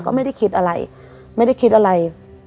ก็ไม่ได้คิดอะไร